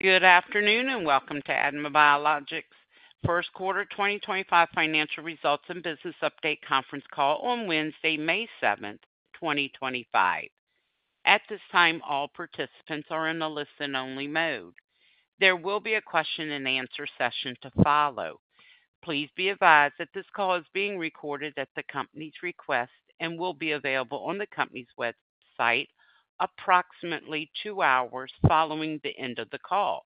Good afternoon and welcome to ADMA Biologics' First Quarter 2025 Financial Results and Business Update Conference Call on Wednesday, May 7th, 2025. At this time, all participants are in a listen-only mode. There will be a question-and-answer session to follow. Please be advised that this call is being recorded at the company's request and will be available on the company's website approximately two hours following the end of the call.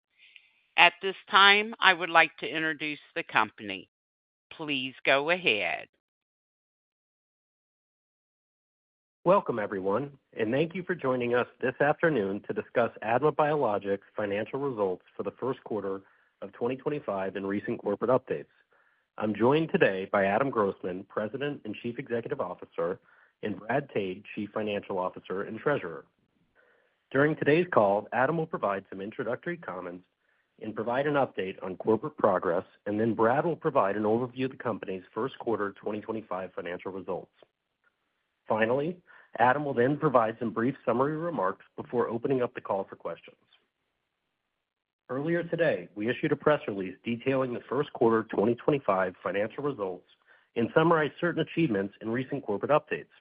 At this time, I would like to introduce the company. Please go ahead. Welcome, everyone, and thank you for joining us this afternoon to discuss ADMA Biologics' financial results for the first quarter of 2025 and recent corporate updates. I'm joined today by Adam Grossman, President and Chief Executive Officer, and Brad Tade, Chief Financial Officer and Treasurer. During today's call, Adam will provide some introductory comments and provide an update on corporate progress, and then Brad will provide an overview of the company's first quarter 2025 financial results. Finally, Adam will then provide some brief summary remarks before opening up the call for questions. Earlier today, we issued a press release detailing the first quarter 2025 financial results and summarized certain achievements and recent corporate updates.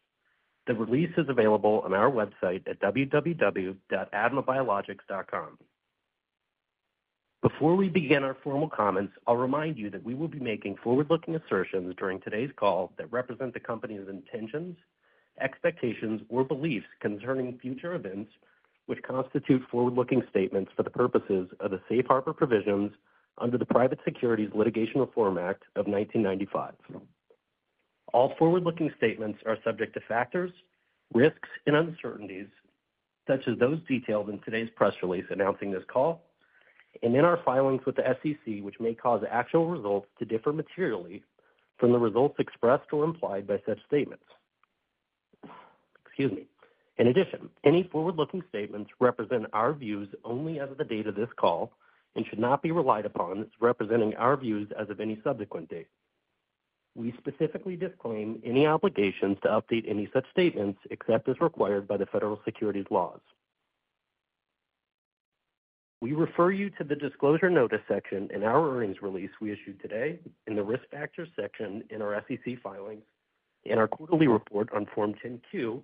The release is available on our website at www.admabiologics.com. Before we begin our formal comments, I'll remind you that we will be making forward-looking assertions during today's call that represent the company's intentions, expectations, or beliefs concerning future events, which constitute forward-looking statements for the purposes of the Safe Harbor Provisions under the Private Securities Litigation Reform Act of 1995. All forward-looking statements are subject to factors, risks, and uncertainties, such as those detailed in today's press release announcing this call, and in our filings with the SEC, which may cause actual results to differ materially from the results expressed or implied by such statements. Excuse me. In addition, any forward-looking statements represent our views only as of the date of this call and should not be relied upon as representing our views as of any subsequent date. We specifically disclaim any obligations to update any such statements except as required by the federal securities laws. We refer you to the disclosure notice section in our earnings release we issued today, in the risk factors section in our SEC filings, and our quarterly report on Form 10Q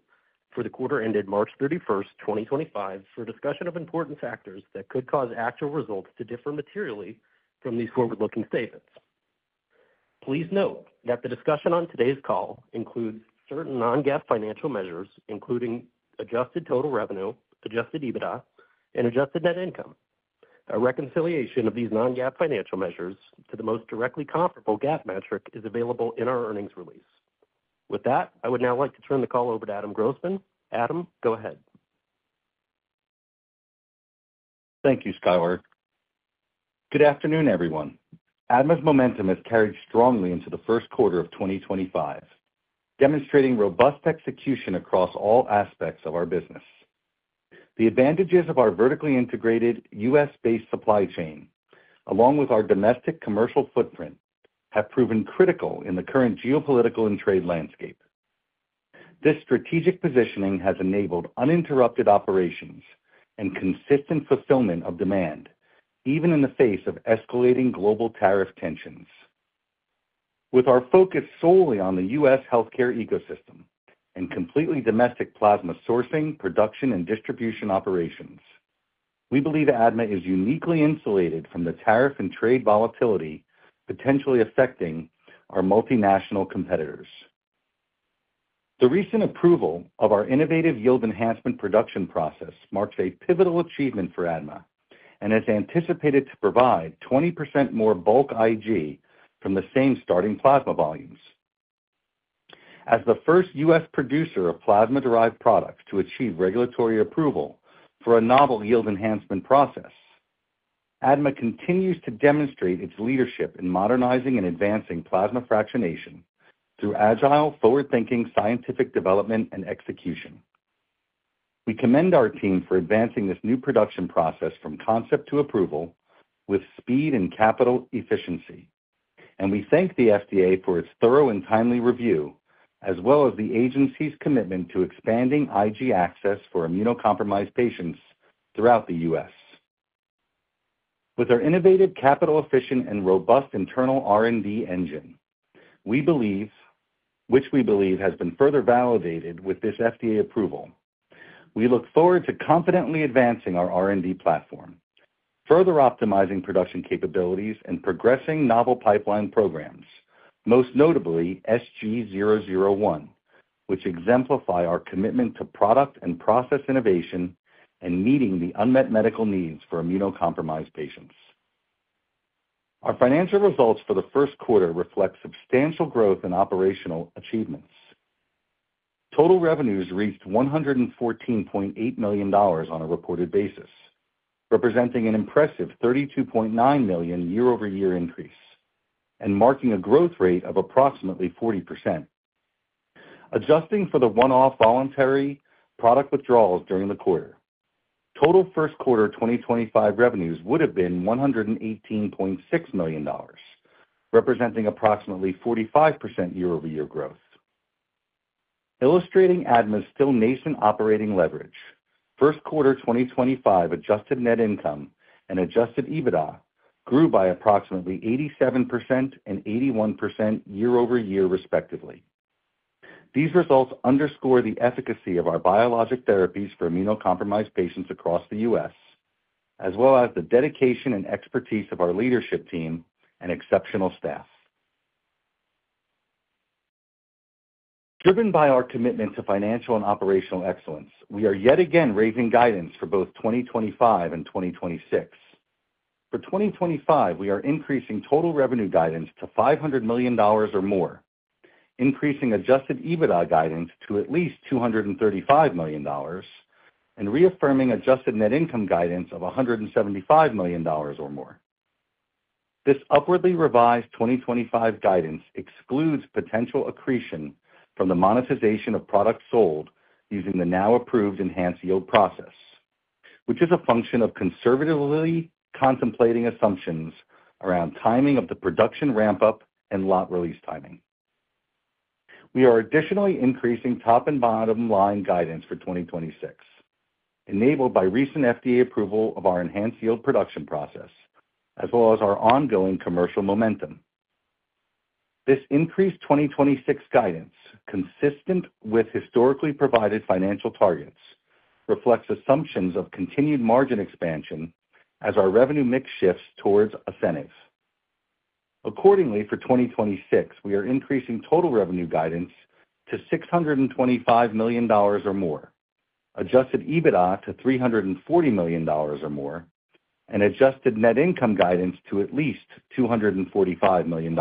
for the quarter ended March 31, 2025, for discussion of important factors that could cause actual results to differ materially from these forward-looking statements. Please note that the discussion on today's call includes certain non-GAAP financial measures, including adjusted total revenue, adjusted EBITDA, and adjusted net income. A reconciliation of these non-GAAP financial measures to the most directly comparable GAAP metric is available in our earnings release. With that, I would now like to turn the call over to Adam Grossman. Adam, go ahead. Thank you, Skyler. Good afternoon, everyone. ADMA's momentum has carried strongly into the first quarter of 2025, demonstrating robust execution across all aspects of our business. The advantages of our vertically integrated U.S.-based supply chain, along with our domestic commercial footprint, have proven critical in the current geopolitical and trade landscape. This strategic positioning has enabled uninterrupted operations and consistent fulfillment of demand, even in the face of escalating global tariff tensions. With our focus solely on the U.S. healthcare ecosystem and completely domestic plasma sourcing, production, and distribution operations, we believe ADMA is uniquely insulated from the tariff and trade volatility potentially affecting our multinational competitors. The recent approval of our innovative yield enhancement production process marks a pivotal achievement for ADMA and has anticipated to provide 20% more bulk IG from the same starting plasma volumes. As the first U.S. Producer of plasma-derived products to achieve regulatory approval for a novel yield enhancement process, ADMA continues to demonstrate its leadership in modernizing and advancing plasma fractionation through agile, forward-thinking scientific development and execution. We commend our team for advancing this new production process from concept to approval with speed and capital efficiency, and we thank the FDA for its thorough and timely review, as well as the agency's commitment to expanding IG access for immunocompromised patients throughout the U.S. With our innovative, capital-efficient, and robust internal R&D engine, which we believe has been further validated with this FDA approval, we look forward to confidently advancing our R&D platform, further optimizing production capabilities, and progressing novel pipeline programs, most notably SG001, which exemplify our commitment to product and process innovation and meeting the unmet medical needs for immunocompromised patients. Our financial results for the first quarter reflect substantial growth in operational achievements. Total revenues reached $114.8 million on a reported basis, representing an impressive $32.9 million year-over-year increase and marking a growth rate of approximately 40%. Adjusting for the one-off voluntary product withdrawals during the quarter, total first quarter 2025 revenues would have been $118.6 million, representing approximately 45% year-over-year growth. Illustrating ADMA's still nascent operating leverage, first quarter 2025 adjusted net income and adjusted EBITDA grew by approximately 87% and 81% year-over-year, respectively. These results underscore the efficacy of our biologic therapies for immunocompromised patients across the U.S., as well as the dedication and expertise of our leadership team and exceptional staff. Driven by our commitment to financial and operational excellence, we are yet again raising guidance for both 2025 and 2026. For 2025, we are increasing total revenue guidance to $500 million or more, increasing adjusted EBITDA guidance to at least $235 million, and reaffirming adjusted net income guidance of $175 million or more. This upwardly revised 2025 guidance excludes potential accretion from the monetization of products sold using the now-approved enhanced yield process, which is a function of conservatively contemplating assumptions around timing of the production ramp-up and lot release timing. We are additionally increasing top and bottom line guidance for 2026, enabled by recent FDA approval of our enhanced yield production process, as well as our ongoing commercial momentum. This increased 2026 guidance, consistent with historically provided financial targets, reflects assumptions of continued margin expansion as our revenue mix shifts towards ASCENIV. Accordingly, for 2026, we are increasing total revenue guidance to $625 million or more, adjusted EBITDA to $340 million or more, and adjusted net income guidance to at least $245 million.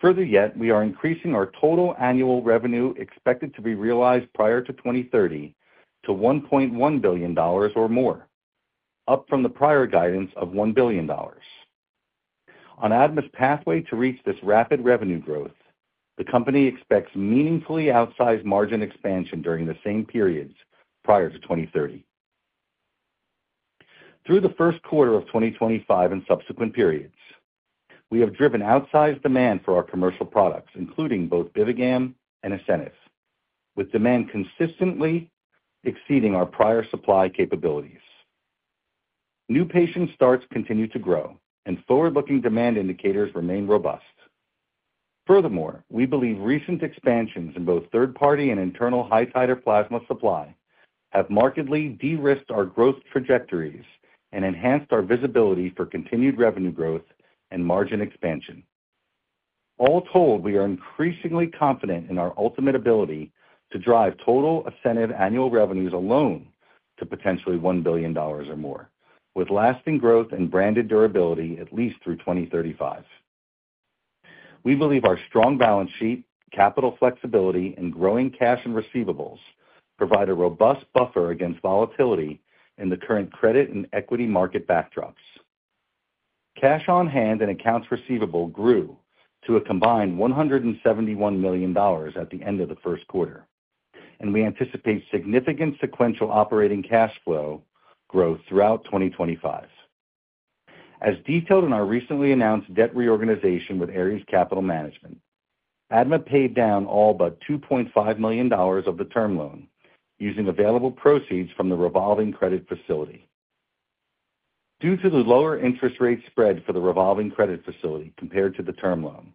Further yet, we are increasing our total annual revenue expected to be realized prior to 2030 to $1.1 billion or more, up from the prior guidance of $1 billion. On ADMA's pathway to reach this rapid revenue growth, the company expects meaningfully outsized margin expansion during the same periods prior to 2030. Through the first quarter of 2025 and subsequent periods, we have driven outsized demand for our commercial products, including both BIVIGAM and ASCENIV, with demand consistently exceeding our prior supply capabilities. New patient starts continue to grow, and forward-looking demand indicators remain robust. Furthermore, we believe recent expansions in both third-party and internal high-titer plasma supply have markedly de-risked our growth trajectories and enhanced our visibility for continued revenue growth and margin expansion. All told, we are increasingly confident in our ultimate ability to drive total ASCENIV annual revenues alone to potentially $1 billion or more, with lasting growth and branded durability at least through 2035. We believe our strong balance sheet, capital flexibility, and growing cash and receivables provide a robust buffer against volatility in the current credit and equity market backdrops. Cash on hand and accounts receivable grew to a combined $171 million at the end of the first quarter, and we anticipate significant sequential operating cash flow growth throughout 2025. As detailed in our recently announced debt reorganization with Ares Capital Management, ADMA paid down all but $2.5 million of the term loan using available proceeds from the revolving credit facility. Due to the lower interest rate spread for the revolving credit facility compared to the term loan,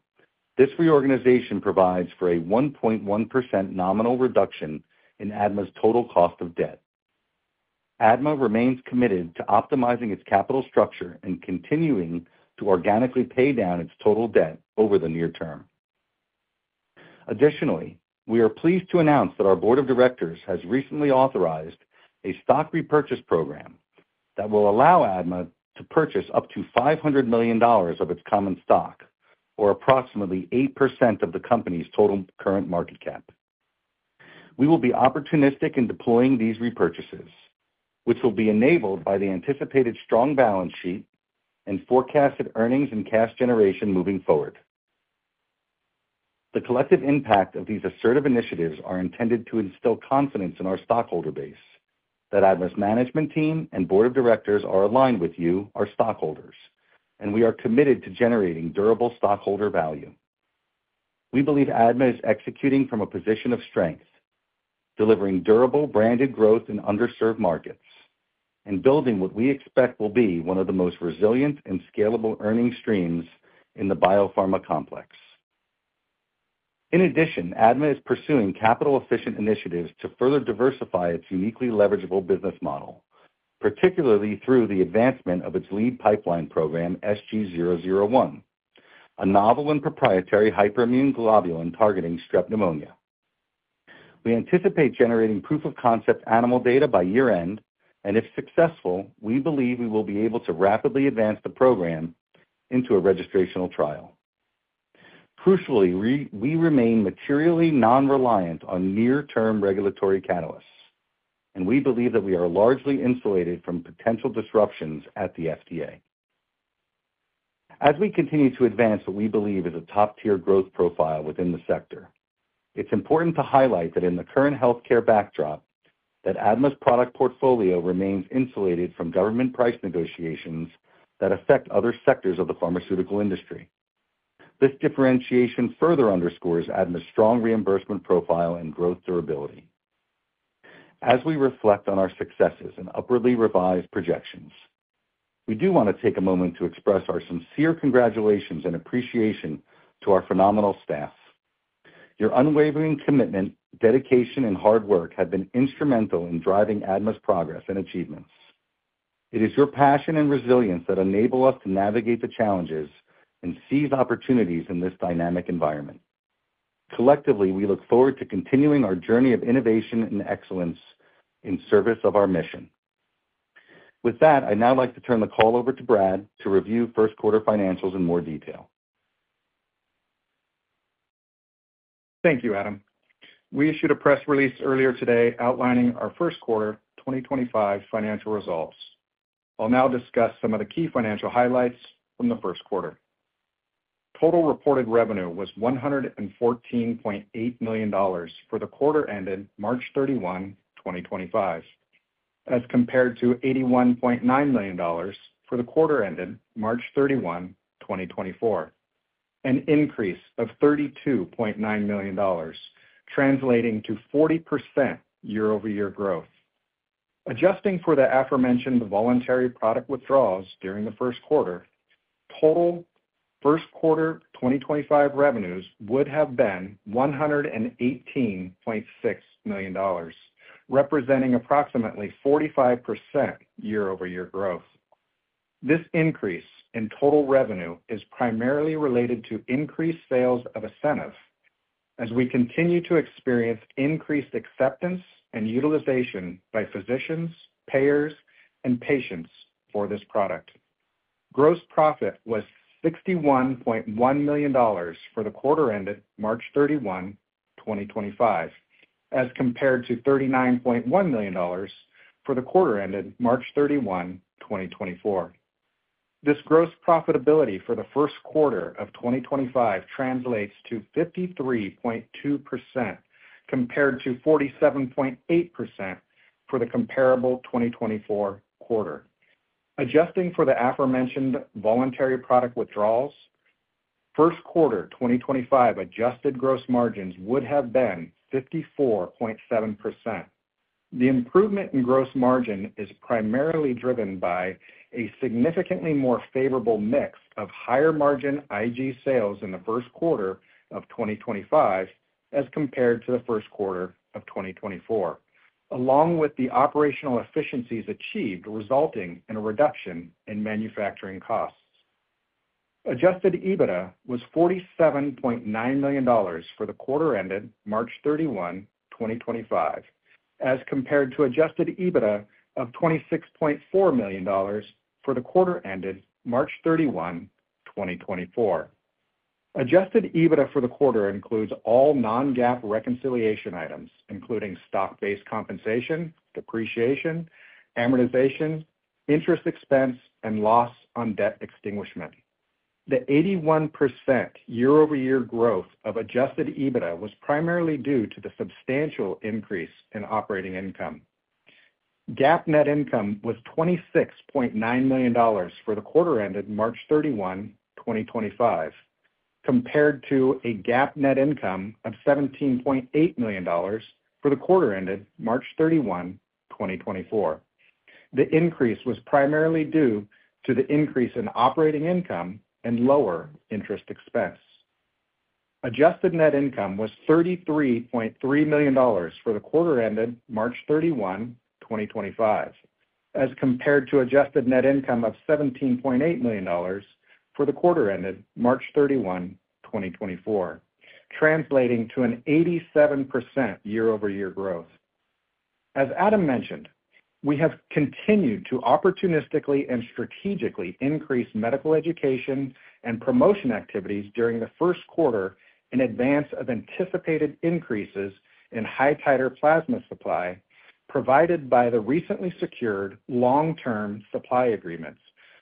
this reorganization provides for a 1.1% nominal reduction in ADMA's total cost of debt. ADMA remains committed to optimizing its capital structure and continuing to organically pay down its total debt over the near term. Additionally, we are pleased to announce that our Board of Directors has recently authorized a stock repurchase program that will allow ADMA to purchase up to $500 million of its common stock, or approximately 8% of the company's total current market cap. We will be opportunistic in deploying these repurchases, which will be enabled by the anticipated strong balance sheet and forecasted earnings and cash generation moving forward. The collective impact of these assertive initiatives is intended to instill confidence in our stockholder base that ADMA's management team and Board of Directors are aligned with you, our stockholders, and we are committed to generating durable stockholder value. We believe ADMA is executing from a position of strength, delivering durable, branded growth in underserved markets and building what we expect will be one of the most resilient and scalable earnings streams in the biopharma complex. In addition, ADMA is pursuing capital-efficient initiatives to further diversify its uniquely leverageable business model, particularly through the advancement of its lead pipeline program, SG001, a novel and proprietary hyperimmune globulin targeting strep pneumonia. We anticipate generating proof-of-concept animal data by year-end, and if successful, we believe we will be able to rapidly advance the program into a registrational trial. Crucially, we remain materially non-reliant on near-term regulatory catalysts, and we believe that we are largely insulated from potential disruptions at the FDA. As we continue to advance what we believe is a top-tier growth profile within the sector, it's important to highlight that in the current healthcare backdrop, ADMA's product portfolio remains insulated from government price negotiations that affect other sectors of the pharmaceutical industry. This differentiation further underscores ADMA's strong reimbursement profile and growth durability. As we reflect on our successes and upwardly revised projections, we do want to take a moment to express our sincere congratulations and appreciation to our phenomenal staff. Your unwavering commitment, dedication, and hard work have been instrumental in driving ADMA's progress and achievements. It is your passion and resilience that enable us to navigate the challenges and seize opportunities in this dynamic environment. Collectively, we look forward to continuing our journey of innovation and excellence in service of our mission. With that, I'd now like to turn the call over to Brad to review first quarter financials in more detail. Thank you, Adam. We issued a press release earlier today outlining our first quarter 2025 financial results. I'll now discuss some of the key financial highlights from the first quarter. Total reported revenue was $114.8 million for the quarter ended March 31, 2025, as compared to $81.9 million for the quarter ended March 31, 2024, an increase of $32.9 million, translating to 40% year-over-year growth. Adjusting for the aforementioned voluntary product withdrawals during the first quarter, total first quarter 2025 revenues would have been $118.6 million, representing approximately 45% year-over-year growth. This increase in total revenue is primarily related to increased sales of ASCENIV, as we continue to experience increased acceptance and utilization by physicians, payers, and patients for this product. Gross profit was $61.1 million for the quarter ended March 31, 2025, as compared to $39.1 million for the quarter ended March 31, 2024. This gross profitability for the first quarter of 2025 translates to 53.2% compared to 47.8% for the comparable 2024 quarter. Adjusting for the aforementioned voluntary product withdrawals, first quarter 2025 adjusted gross margins would have been 54.7%. The improvement in gross margin is primarily driven by a significantly more favorable mix of higher margin IG sales in the first quarter of 2025 as compared to the first quarter of 2024, along with the operational efficiencies achieved, resulting in a reduction in manufacturing costs. Adjusted EBITDA was $47.9 million for the quarter ended March 31, 2025, as compared to adjusted EBITDA of $26.4 million for the quarter ended March 31, 2024. Adjusted EBITDA for the quarter includes all non-GAAP reconciliation items, including stock-based compensation, depreciation, amortization, interest expense, and loss on debt extinguishment. The 81% year-over-year growth of adjusted EBITDA was primarily due to the substantial increase in operating income. GAAP net income was $26.9 million for the quarter ended March 31, 2025, compared to a GAAP net income of $17.8 million for the quarter ended March 31, 2024. The increase was primarily due to the increase in operating income and lower interest expense. Adjusted net income was $33.3 million for the quarter ended March 31, 2025, as compared to adjusted net income of $17.8 million for the quarter ended March 31, 2024, translating to an 87% year-over-year growth. As Adam mentioned, we have continued to opportunistically and strategically increase medical education and promotion activities during the first quarter in advance of anticipated increases in high-titer plasma supply provided by the recently secured long-term supply agreements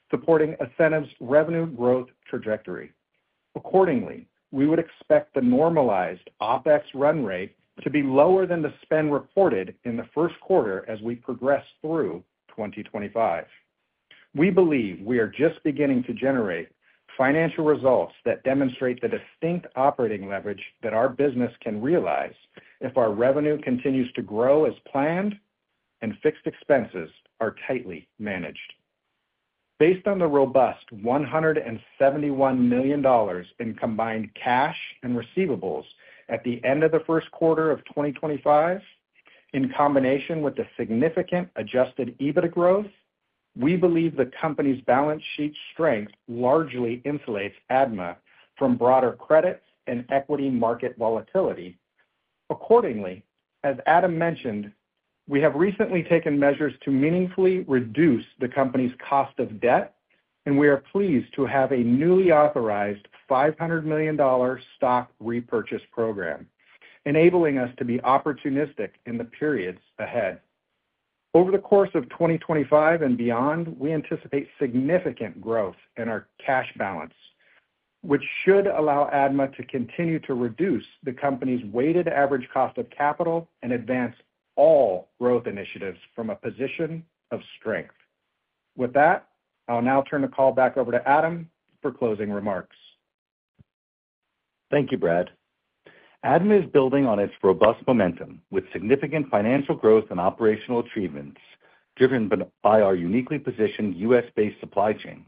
supporting ASCENIV's revenue growth trajectory. Accordingly, we would expect the normalized OpEx run rate to be lower than the spend reported in the first quarter as we progress through 2025. We believe we are just beginning to generate financial results that demonstrate the distinct operating leverage that our business can realize if our revenue continues to grow as planned and fixed expenses are tightly managed. Based on the robust $171 million in combined cash and receivables at the end of the first quarter of 2025, in combination with the significant adjusted EBITDA growth, we believe the company's balance sheet strength largely insulates ADMA from broader credit and equity market volatility. Accordingly, as Adam mentioned, we have recently taken measures to meaningfully reduce the company's cost of debt, and we are pleased to have a newly authorized $500 million stock repurchase program, enabling us to be opportunistic in the periods ahead. Over the course of 2025 and beyond, we anticipate significant growth in our cash balance, which should allow ADMA to continue to reduce the company's weighted average cost of capital and advance all growth initiatives from a position of strength. With that, I'll now turn the call back over to Adam for closing remarks. Thank you, Brad. ADMA is building on its robust momentum with significant financial growth and operational achievements driven by our uniquely positioned U.S.-based supply chain.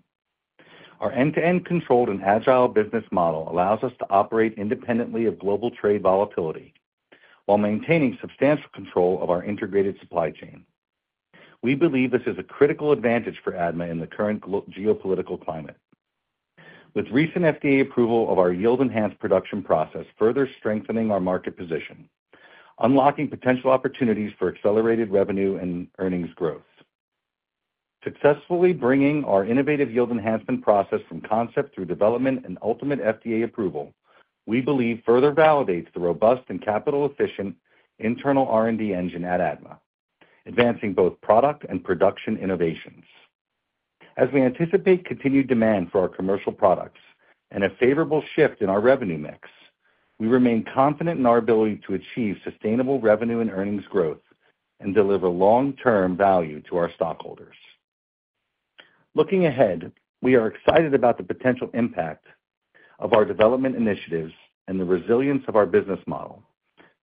Our end-to-end controlled and agile business model allows us to operate independently of global trade volatility while maintaining substantial control of our integrated supply chain. We believe this is a critical advantage for ADMA in the current geopolitical climate, with recent FDA approval of our yield-enhanced production process further strengthening our market position, unlocking potential opportunities for accelerated revenue and earnings growth. Successfully bringing our innovative yield enhancement process from concept through development and ultimate FDA approval, we believe further validates the robust and capital-efficient internal R&D engine at ADMA, advancing both product and production innovations. As we anticipate continued demand for our commercial products and a favorable shift in our revenue mix, we remain confident in our ability to achieve sustainable revenue and earnings growth and deliver long-term value to our stockholders. Looking ahead, we are excited about the potential impact of our development initiatives and the resilience of our business model,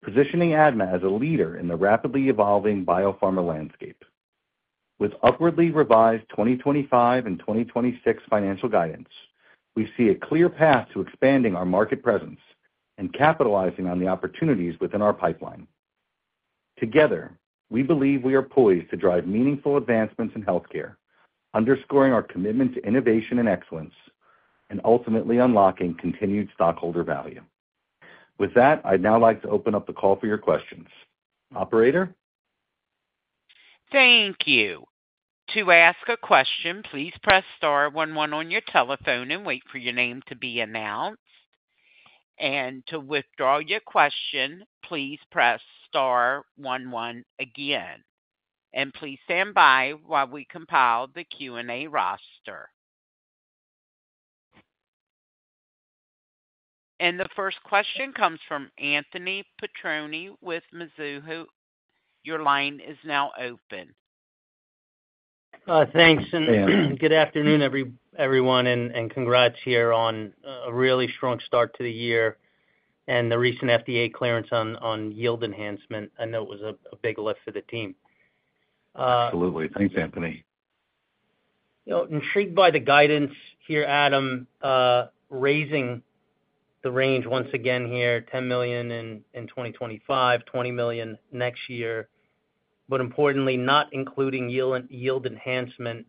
positioning ADMA as a leader in the rapidly evolving biopharma landscape. With upwardly revised 2025 and 2026 financial guidance, we see a clear path to expanding our market presence and capitalizing on the opportunities within our pipeline. Together, we believe we are poised to drive meaningful advancements in healthcare, underscoring our commitment to innovation and excellence, and ultimately unlocking continued stockholder value. With that, I'd now like to open up the call for your questions. Operator? Thank you. To ask a question, please press star one one on your telephone and wait for your name to be announced. To withdraw your question, please press star one one again. Please stand by while we compile the Q&A roster. The first question comes from Anthony Petrone with Mizuho. Your line is now open. Thanks, and good afternoon, everyone, and congrats here on a really strong start to the year and the recent FDA clearance on yield enhancement. I know it was a big lift for the team. Absolutely. Thanks, Anthony. Intrigued by the guidance here, Adam, raising the range once again here, $10 million in 2025, $20 million next year, but importantly, not including yield enhancement.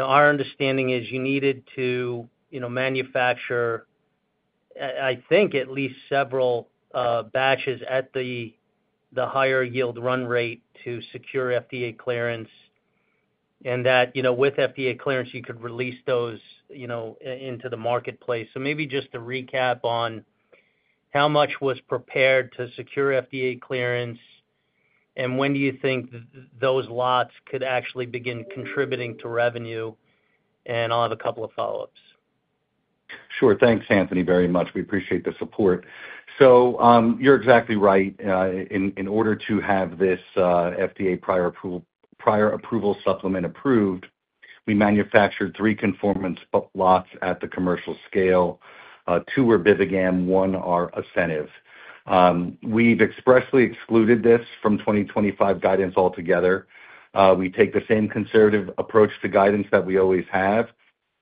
Our understanding is you needed to manufacture, I think, at least several batches at the higher yield run rate to secure FDA clearance and that with FDA clearance, you could release those into the marketplace. Maybe just to recap on how much was prepared to secure FDA clearance and when do you think those lots could actually begin contributing to revenue? I'll have a couple of follow-ups. Sure. Thanks, Anthony, very much. We appreciate the support. You're exactly right. In order to have this FDA prior approval supplement approved, we manufactured three conformance lots at the commercial scale. Two were BIVIGAM, one our ASCENIV. We've expressly excluded this from 2025 guidance altogether. We take the same conservative approach to guidance that we always have.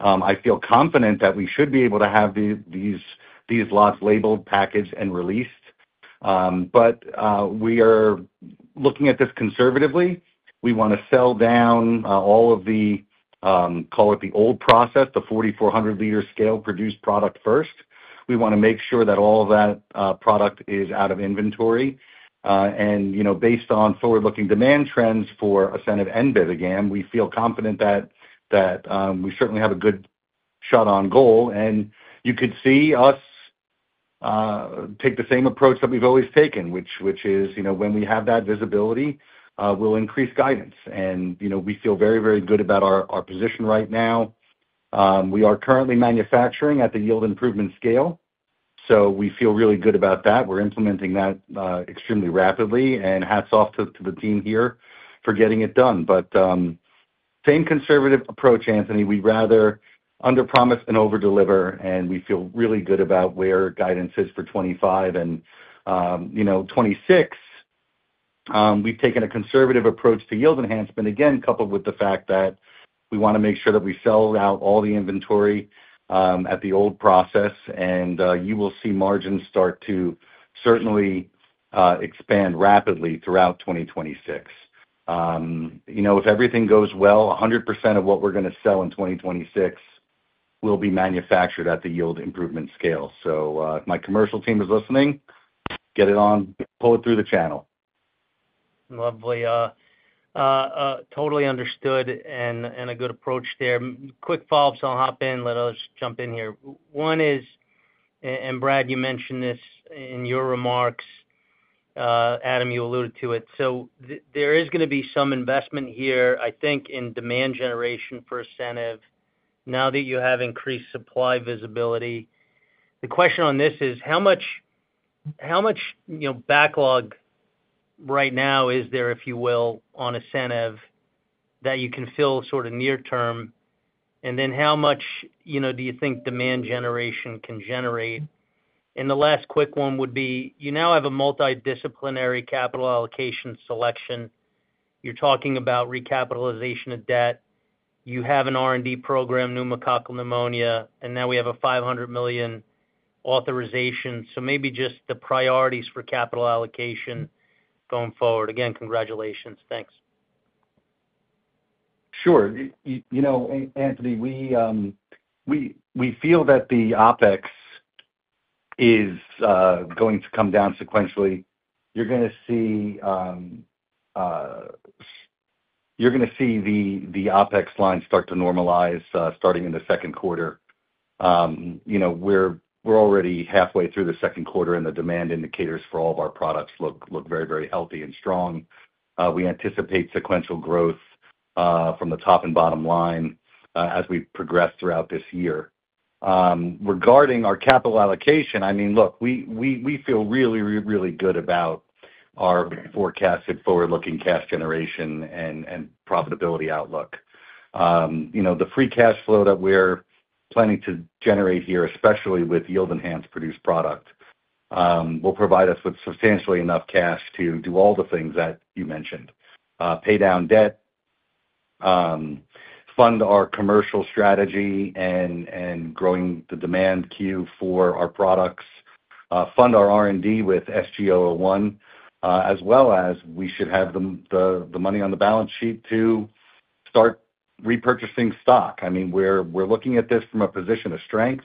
I feel confident that we should be able to have these lots labeled, packaged, and released. We are looking at this conservatively. We want to sell down all of the, call it the old process, the 4,400 L scale produced product first. We want to make sure that all of that product is out of inventory. Based on forward-looking demand trends for ASCENIV and BIVIGAM, we feel confident that we certainly have a good shot on goal. You could see us take the same approach that we've always taken, which is when we have that visibility, we'll increase guidance. We feel very, very good about our position right now. We are currently manufacturing at the yield improvement scale, so we feel really good about that. We're implementing that extremely rapidly, and hats off to the team here for getting it done. Same conservative approach, Anthony. We'd rather under-promise than over-deliver, and we feel really good about where guidance is for 2025 and 2026. We've taken a conservative approach to yield enhancement, again, coupled with the fact that we want to make sure that we sell out all the inventory at the old process, and you will see margins start to certainly expand rapidly throughout 2026. If everything goes well, 100% of what we're going to sell in 2026 will be manufactured at the yield improvement scale. If my commercial team is listening, get it on, pull it through the channel. Lovely. Totally understood and a good approach there. Quick follow-ups, I'll hop in. Let us jump in here. One is, and Brad, you mentioned this in your remarks, Adam, you alluded to it. There is going to be some investment here, I think, in demand generation for ASCENIV now that you have increased supply visibility. The question on this is, how much backlog right now is there, if you will, on ASCENIV that you can fill sort of near-term? How much do you think demand generation can generate? The last quick one would be, you now have a multidisciplinary capital allocation selection. You're talking about recapitalization of debt. You have an R&D program, pneumococcal pneumonia, and now we have a $500 million authorization. Maybe just the priorities for capital allocation going forward. Again, congratulations. Thanks. Sure. Anthony, we feel that the OpEx is going to come down sequentially. You're going to see the OpEx lines start to normalize starting in the second quarter. We're already halfway through the second quarter, and the demand indicators for all of our products look very, very healthy and strong. We anticipate sequential growth from the top and bottom line as we progress throughout this year. Regarding our capital allocation, I mean, look, we feel really, really good about our forecasted forward-looking cash generation and profitability outlook. The free cash flow that we're planning to generate here, especially with yield-enhanced produced product, will provide us with substantially enough cash to do all the things that you mentioned: pay down debt, fund our commercial strategy and growing the demand queue for our products, fund our R&D with SG001, as well as we should have the money on the balance sheet to start repurchasing stock. I mean, we're looking at this from a position of strength.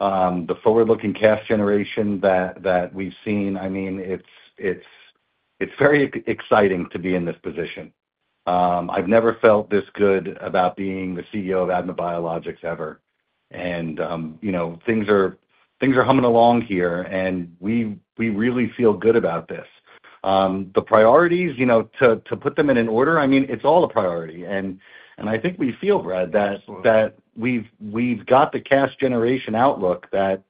The forward-looking cash generation that we've seen, I mean, it's very exciting to be in this position. I've never felt this good about being the CEO of ADMA Biologics ever. Things are humming along here, and we really feel good about this. The priorities, to put them in order, I mean, it's all a priority. I think we feel, Brad, that we've got the cash generation outlook that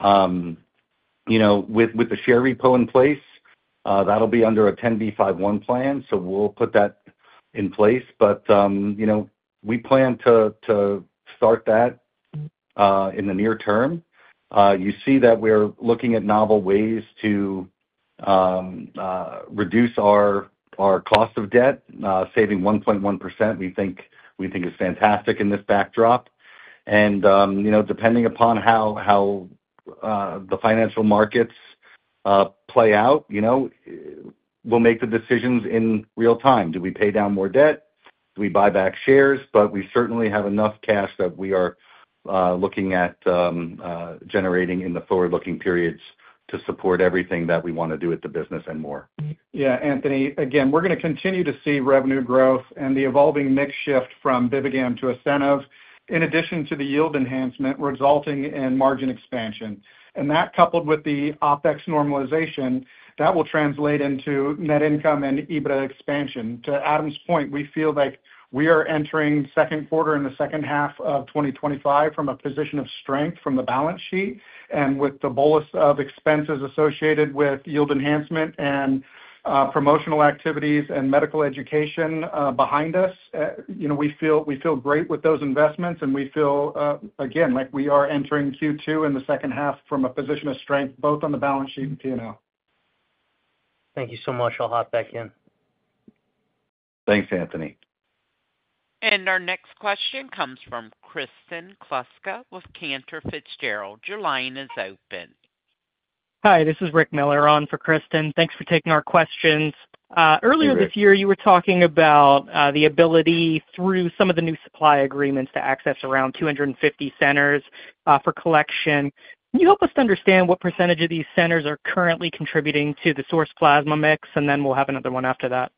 with the share repo in place, that'll be under a 10B51 plan, so we'll put that in place. We plan to start that in the near term. You see that we're looking at novel ways to reduce our cost of debt, saving 1.1%, we think is fantastic in this backdrop. Depending upon how the financial markets play out, we'll make the decisions in real time. Do we pay down more debt? Do we buy back shares? We certainly have enough cash that we are looking at generating in the forward-looking periods to support everything that we want to do with the business and more. Yeah, Anthony. Again, we're going to continue to see revenue growth and the evolving mix shift from BIVIGAM to ASCENIV, in addition to the yield enhancement resulting in margin expansion. That, coupled with the OpEx normalization, will translate into net income and EBITDA expansion. To Adam's point, we feel like we are entering second quarter in the second half of 2025 from a position of strength from the balance sheet and with the bolus of expenses associated with yield enhancement and promotional activities and medical education behind us. We feel great with those investments, and we feel, again, like we are entering Q2 in the second half from a position of strength, both on the balance sheet and P&L. Thank you so much. I'll hop back in. Thanks, Anthony. Our next question comes from Kristen Kluska with Cantor Fitzgerald. Your line is open. Hi, this is Rick Miller on for Kristen. Thanks for taking our questions. Earlier this year, you were talking about the ability through some of the new supply agreements to access around 250 centers for collection. Can you help us to understand what percentage of these centers are currently contributing to the source plasma mix? And then we'll have another one after that.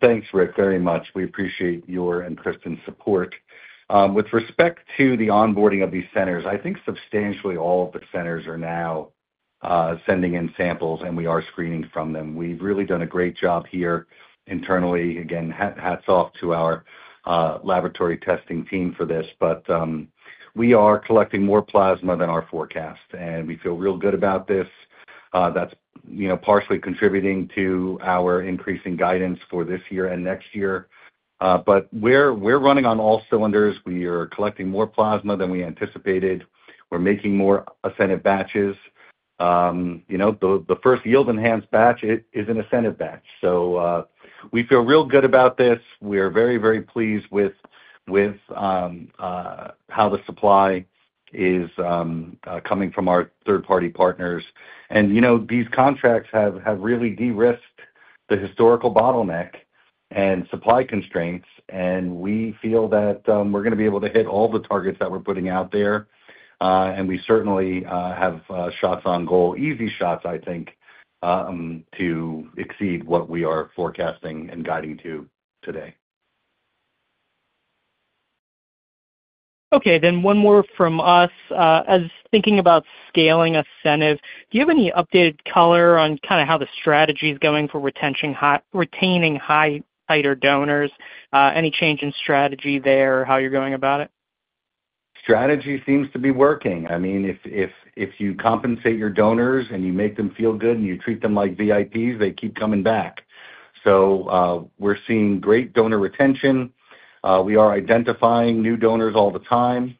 Thanks, Rick, very much. We appreciate your and Kristen's support. With respect to the onboarding of these centers, I think substantially all of the centers are now sending in samples, and we are screening from them. We've really done a great job here internally. Again, hats off to our laboratory testing team for this. We are collecting more plasma than our forecast, and we feel real good about this. That's partially contributing to our increasing guidance for this year and next year. We're running on all cylinders. We are collecting more plasma than we anticipated. We're making more ASCENIV batches. The first yield-enhanced batch is an ASCENIV batch. We feel real good about this. We are very, very pleased with how the supply is coming from our third-party partners. These contracts have really de-risked the historical bottleneck and supply constraints. We feel that we're going to be able to hit all the targets that we're putting out there. We certainly have shots on goal, easy shots, I think, to exceed what we are forecasting and guiding to today. Okay. Then one more from us. Thinking about scaling ASCENIV, do you have any updated color on kind of how the strategy is going for retaining high-titer donors? Any change in strategy there, how you're going about it? Strategy seems to be working. I mean, if you compensate your donors and you make them feel good and you treat them like VIPs, they keep coming back. We are seeing great donor retention. We are identifying new donors all the time.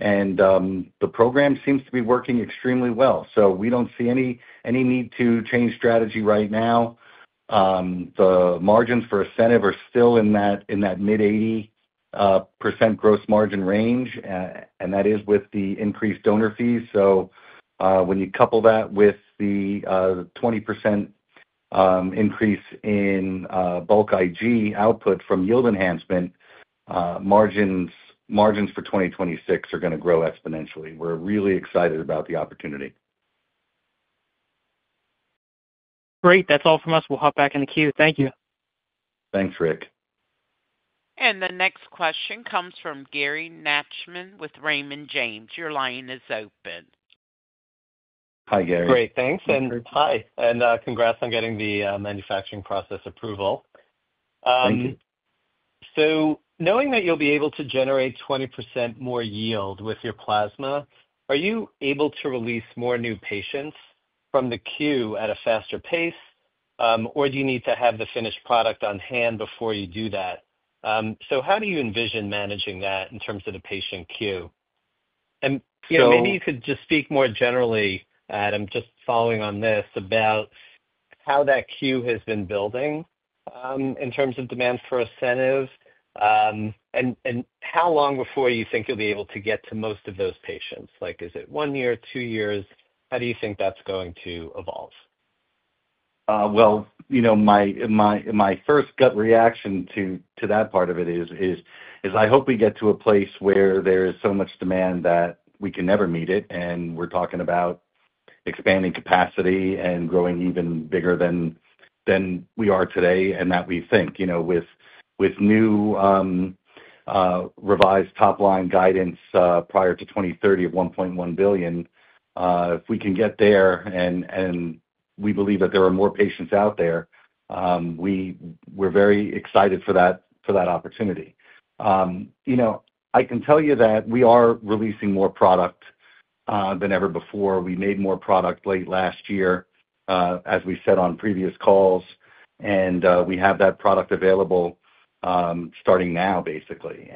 The program seems to be working extremely well. We do not see any need to change strategy right now. The margins for ASCENIV are still in that mid-80% gross margin range, and that is with the increased donor fees. When you couple that with the 20% increase in bulk IG output from yield enhancement, margins for 2026 are going to grow exponentially. We are really excited about the opportunity. Great. That's all from us. We'll hop back in the queue. Thank you. Thanks, Rick. The next question comes from Gary Nachman with Raymond James. Your line is open. Hi, Gary. Great. Thanks. Hi. Congrats on getting the manufacturing process approval. Thank you. Knowing that you'll be able to generate 20% more yield with your plasma, are you able to release more new patients from the queue at a faster pace, or do you need to have the finished product on hand before you do that? How do you envision managing that in terms of the patient queue? Maybe you could just speak more generally, Adam, just following on this, about how that queue has been building in terms of demand for ASCENIV and how long before you think you'll be able to get to most of those patients. Is it one year, two years? How do you think that's going to evolve? My first gut reaction to that part of it is I hope we get to a place where there is so much demand that we can never meet it. We are talking about expanding capacity and growing even bigger than we are today and that we think. With new revised top-line guidance prior to 2030 of $1.1 billion, if we can get there and we believe that there are more patients out there, we are very excited for that opportunity. I can tell you that we are releasing more product than ever before. We made more product late last year, as we said on previous calls. We have that product available starting now, basically.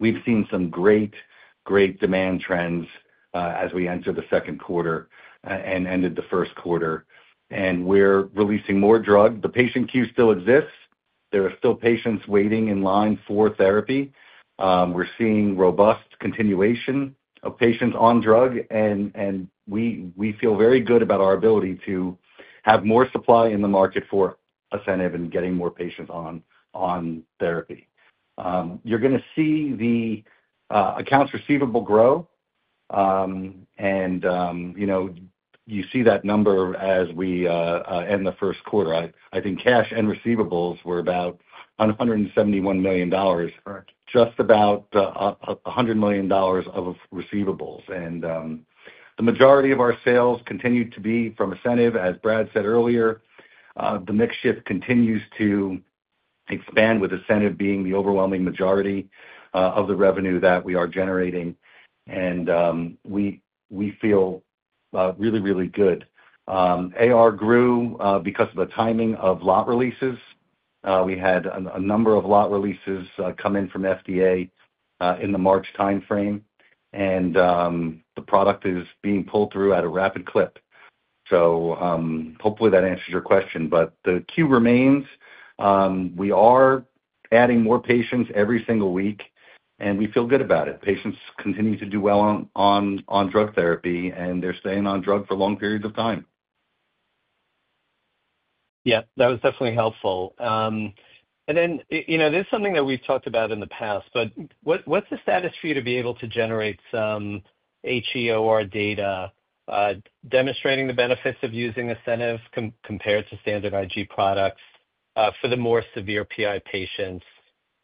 We have seen some great, great demand trends as we enter the second quarter and ended the first quarter. We are releasing more drug. The patient queue still exists. There are still patients waiting in line for therapy. We're seeing robust continuation of patients on drug. We feel very good about our ability to have more supply in the market for ASCENIV and getting more patients on therapy. You're going to see the accounts receivable grow. You see that number as we end the first quarter. I think cash and receivables were about $171 million, just about $100 million of receivables. The majority of our sales continue to be from ASCENIV, as Brad said earlier. The mix shift continues to expand with ASCENIV being the overwhelming majority of the revenue that we are generating. We feel really, really good. AR grew because of the timing of lot releases. We had a number of lot releases come in from FDA in the March timeframe. The product is being pulled through at a rapid clip. Hopefully that answers your question. The queue remains. We are adding more patients every single week. We feel good about it. Patients continue to do well on drug therapy, and they are staying on drug for long periods of time. Yeah. That was definitely helpful. This is something that we've talked about in the past, but what's the status for you to be able to generate some HEOR data demonstrating the benefits of using ASCENIV compared to standard IG products for the more severe PI patients?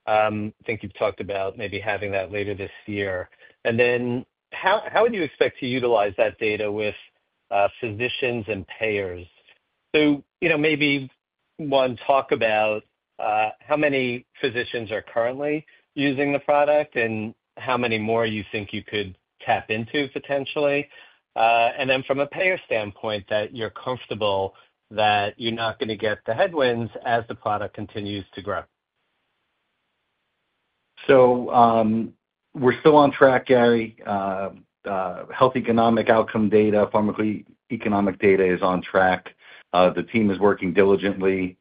I think you've talked about maybe having that later this year. How would you expect to utilize that data with physicians and payers? Maybe one, talk about how many physicians are currently using the product and how many more you think you could tap into potentially. From a payer standpoint, that you're comfortable that you're not going to get the headwinds as the product continues to grow. We're still on track, Gary. Health economic outcome data, pharmacy economic data is on track. The team is working diligently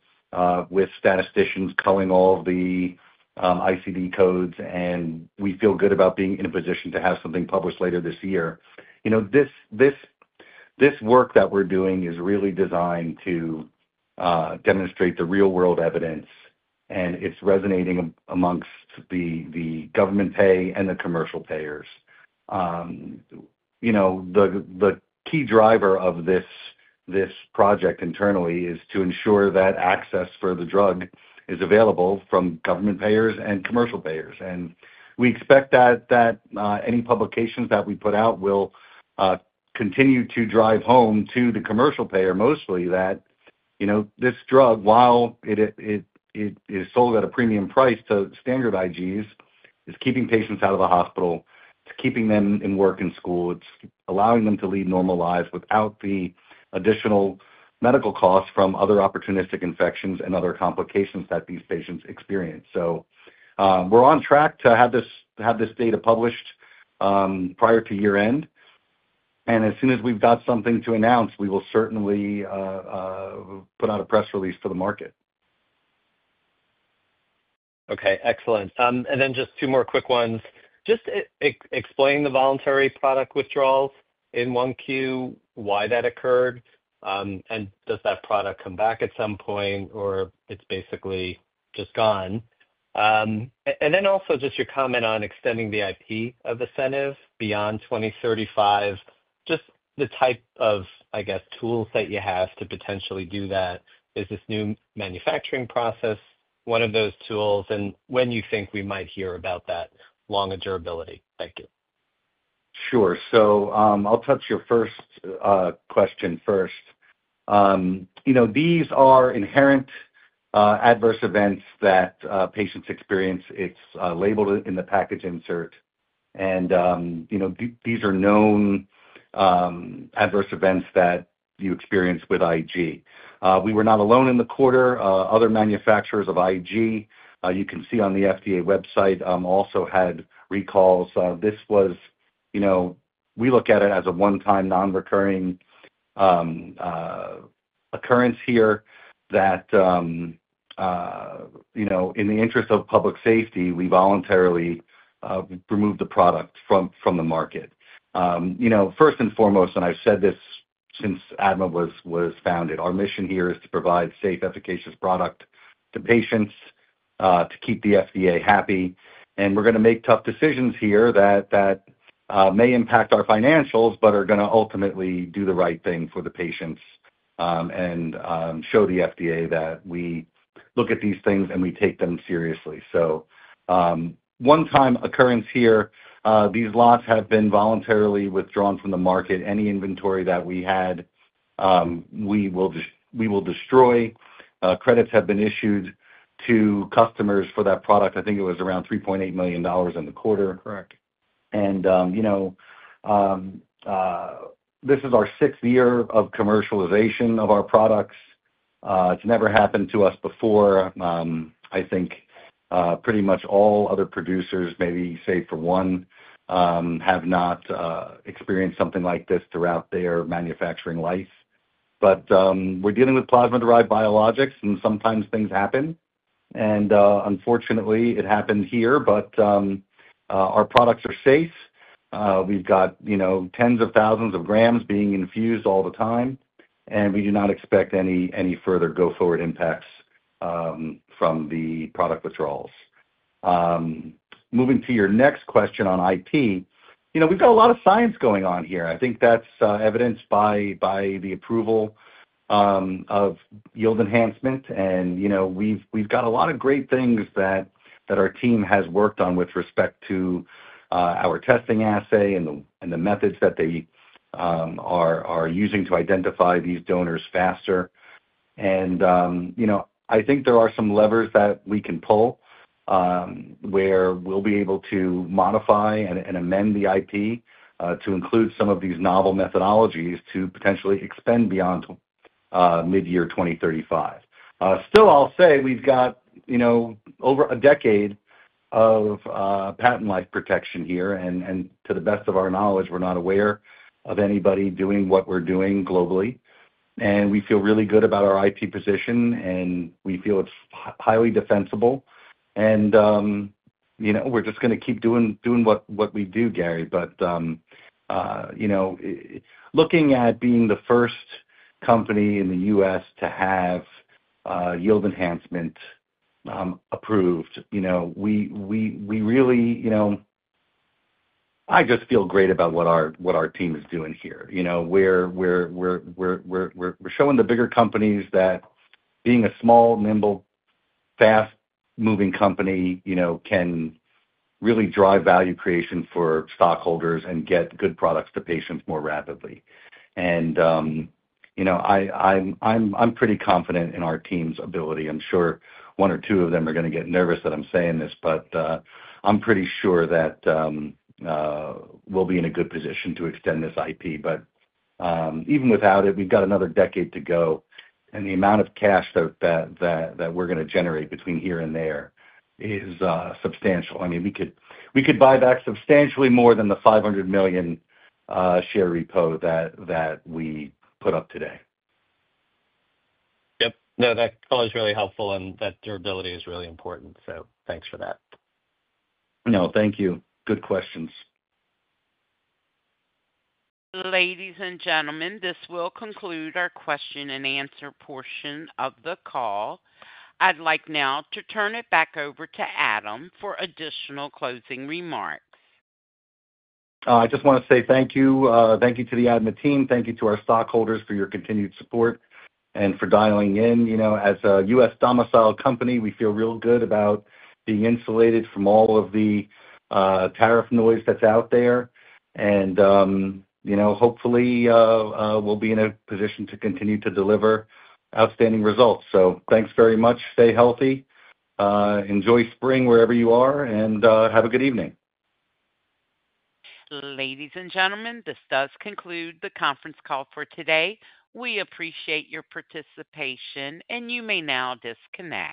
with statisticians culling all the ICD codes. We feel good about being in a position to have something published later this year. This work that we're doing is really designed to demonstrate the real-world evidence. It's resonating amongst the government pay and the commercial payers. The key driver of this project internally is to ensure that access for the drug is available from government payers and commercial payers. We expect that any publications that we put out will continue to drive home to the commercial payer mostly that this drug, while it is sold at a premium price to standard IGs, is keeping patients out of the hospital. It's keeping them in work and school. It's allowing them to lead normal lives without the additional medical costs from other opportunistic infections and other complications that these patients experience. We are on track to have this data published prior to year-end. As soon as we've got something to announce, we will certainly put out a press release for the market. Okay. Excellent. Just two more quick ones. Just explain the voluntary product withdrawals in Q1, why that occurred, and does that product come back at some point or is it basically just gone? Also, just your comment on extending the IP of ASCENIV beyond 2035, just the type of, I guess, tools that you have to potentially do that. Is this new manufacturing process one of those tools? When do you think we might hear about that longer durability? Thank you. Sure. I'll touch your first question first. These are inherent adverse events that patients experience. It's labeled in the package insert. These are known adverse events that you experience with IG. We were not alone in the quarter. Other manufacturers of IG, you can see on the FDA website, also had recalls. This was, we look at it as a one-time non-recurring occurrence here that, in the interest of public safety, we voluntarily removed the product from the market. First and foremost, and I've said this since ADMA was founded, our mission here is to provide safe, efficacious product to patients, to keep the FDA happy. We're going to make tough decisions here that may impact our financials, but are going to ultimately do the right thing for the patients and show the FDA that we look at these things and we take them seriously. One-time occurrence here, these lots have been voluntarily withdrawn from the market. Any inventory that we had, we will destroy. Credits have been issued to customers for that product. I think it was around $3.8 million in the quarter. Correct. This is our sixth year of commercialization of our products. It's never happened to us before. I think pretty much all other producers, maybe save for one, have not experienced something like this throughout their manufacturing life. We're dealing with plasma-derived biologics, and sometimes things happen. Unfortunately, it happened here, but our products are safe. We've got tens of thousands of grams being infused all the time. We do not expect any further go forward impacts from the product withdrawals. Moving to your next question on IP, we've got a lot of science going on here. I think that's evidenced by the approval of yield enhancement. We've got a lot of great things that our team has worked on with respect to our testing assay and the methods that they are using to identify these donors faster. I think there are some levers that we can pull where we'll be able to modify and amend the IP to include some of these novel methodologies to potentially expand beyond mid-year 2035. Still, I'll say we've got over a decade of patent life protection here. To the best of our knowledge, we're not aware of anybody doing what we're doing globally. We feel really good about our IP position, and we feel it's highly defensible. We're just going to keep doing what we do, Gary. Looking at being the first company in the U.S. to have yield enhancement approved, I just feel great about what our team is doing here. We're showing the bigger companies that being a small, nimble, fast-moving company can really drive value creation for stockholders and get good products to patients more rapidly. I'm pretty confident in our team's ability. I'm sure one or two of them are going to get nervous that I'm saying this, but I'm pretty sure that we'll be in a good position to extend this IP. Even without it, we've got another decade to go. The amount of cash that we're going to generate between here and there is substantial. I mean, we could buy back substantially more than the $500 million share repo that we put up today. Yep. No, that call is really helpful. That durability is really important. Thanks for that. No, thank you. Good questions. Ladies and gentlemen, this will conclude our question-and-answer portion of the call. I'd like now to turn it back over to Adam for additional closing remarks. I just want to say thank you. Thank you to the Adam team. Thank you to our stockholders for your continued support and for dialing in. As a U.S. domiciled company, we feel real good about being insulated from all of the tariff noise that's out there. Hopefully, we'll be in a position to continue to deliver outstanding results. Thanks very much. Stay healthy. Enjoy spring wherever you are. Have a good evening. Ladies and gentlemen, this does conclude the conference call for today. We appreciate your participation, and you may now disconnect.